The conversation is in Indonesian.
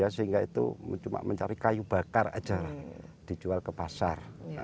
sehingga itu cuma mencari kayu bakar aja dijual ke pasar